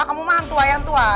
kamu mah hantu hantu